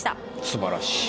すばらしい。